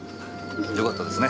よかったですね